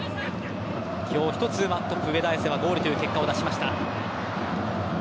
今日、一つ上田綺世はゴールという結果を出しました。